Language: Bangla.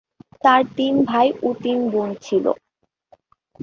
তার তিন ভাই ও তিন বোন ছিল।